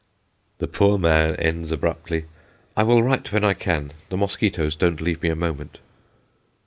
The poor man ends abruptly, "I will write when I can the mosquitos don't leave me a moment."